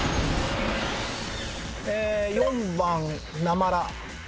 ４番なまら。